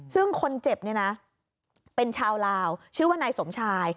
ซึ่งคนเจ็บเนี่ยนะเป็นชาวลาวชื่อว่านายสมชาย